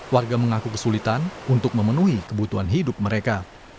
warga mengaku kesulitan untuk memenuhi kebutuhan hidup mereka